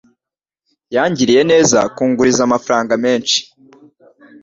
Yangiriye neza kunguriza amafaranga menshi.